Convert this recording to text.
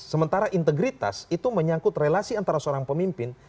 sementara integritas itu menyangkut relasi antara seorang pemimpin